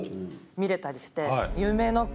見れたりして。